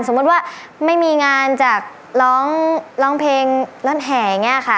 สมมุติว่าไม่มีงานจากร้องร้องเพลงรถแห่อย่างนี้ค่ะ